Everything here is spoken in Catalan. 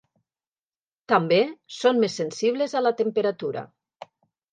També són més sensibles a la temperatura.